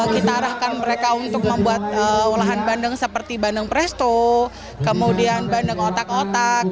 kita arahkan mereka untuk membuat olahan bandeng seperti bandeng presto kemudian bandeng otak otak